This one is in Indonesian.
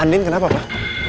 andin kenapa pak